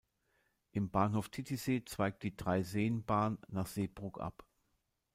Im Bahnhof Titisee zweigt die Dreiseenbahn nach Seebrugg ab.